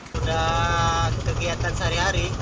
sudah kegiatan sehari hari